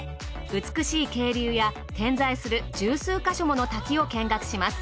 美しい渓流や点在する十数か所もの滝を見学します。